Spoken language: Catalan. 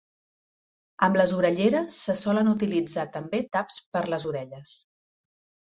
Amb les orelleres se solen utilitzar també taps per les orelles.